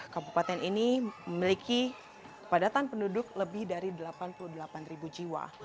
kabupaten ini memiliki kepadatan penduduk lebih dari delapan puluh delapan ribu jiwa